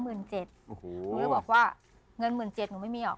หนูเลยบอกว่าเงิน๑๗๐๐หนูไม่มีหรอก